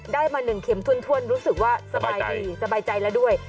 ได้มา๑เข็มถ้วนรู้สึกว่าสบายดีสบายใจแล้วด้วย